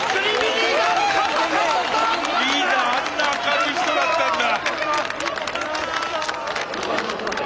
リーダーあんな明るい人だったんだ。